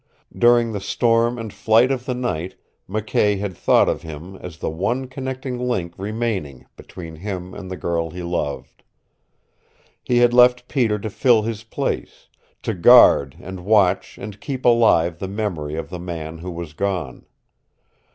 During the storm and flight of the night McKay had thought of him as the one connecting link remaining between him and the girl he loved. He had left Peter to fill his place, to guard and watch and keep alive the memory of the man who was gone.